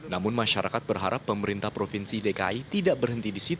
namun masyarakat berharap pemerintah provinsi dki jakarta tidak berhenti disini